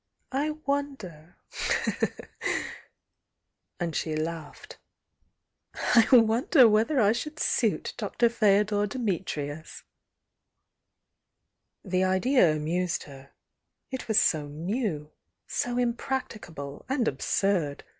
"I wonder"— and she lauded— "I wonder whether I should suit Dr. F^odor Dimit riusl" The idea amused her, — it was so new, — so im practicable and absurd!